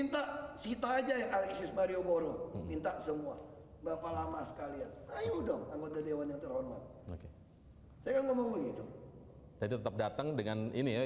hai minta situ aja yang alexis mario moro minta semua bapak lama sekalian ayo dong anggota dewan